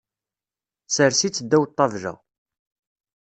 Sers-itt ddaw ṭṭabla.